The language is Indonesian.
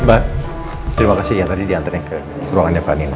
mbak terima kasih ya tadi diantarin ke ruangannya pak nino